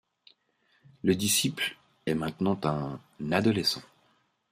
Le disciple est maintenant un adolescent.